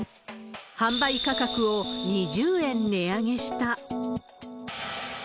販売価格を２０円値上げした。